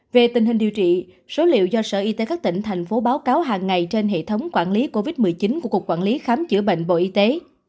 về tình hình điều trị số liệu do sở y tế các tỉnh thành phố báo cáo hàng ngày trên hệ thống quản lý covid một mươi chín của cục quản lý khám chữa bệnh bộ y tế